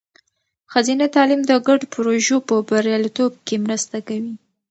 ښځینه تعلیم د ګډو پروژو په بریالیتوب کې مرسته کوي.